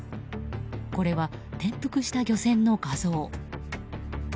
これは、転覆した漁船の画像。